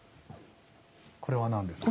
これは何ですか？